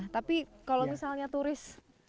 tapi kalau misalnya turis